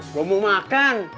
gue mau makan